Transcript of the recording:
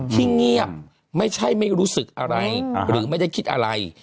ที่เงียบไม่ใช่ไม่รู้สึกอะไรหรือไม่ได้คิดอะไร